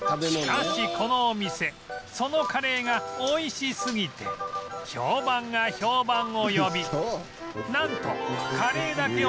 しかしこのお店そのカレーが美味しすぎて評判が評判を呼びなんと